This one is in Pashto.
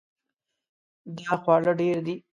دا خواړه ډیر دي